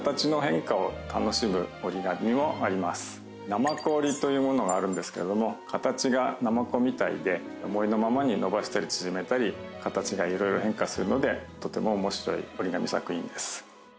なまこ折りというものがあるんですけれども形がなまこみたいで思いのままに伸ばしたり縮めたり形が色々変化するのでとても面白い折り紙作品です